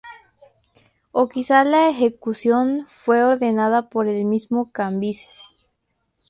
O quizás la ejecución fue ordenada por el mismo Cambises.